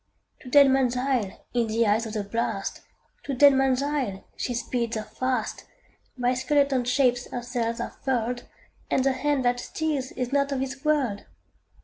To Deadman's Isle, in the eye of the blast, To Deadman's Isle, she speeds her fast; By skeleton shapes her sails are furled, And the hand that steers is not of this world!